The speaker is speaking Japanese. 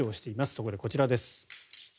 そこでこちらです。